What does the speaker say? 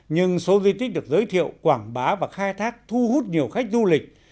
nhưng số di tích được giới thiệu quảng bá và khai thác thu hút nhiều khách du lịch